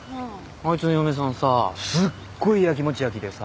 あいつの嫁さんさすごい焼きもち焼きでさ。